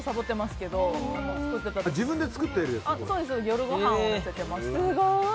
夜ごはん載せてました。